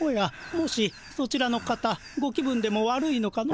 もしそちらの方ご気分でも悪いのかの？